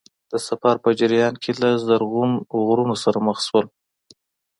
د سفر په جریان کې له زرغون غرونو سره مخ شول.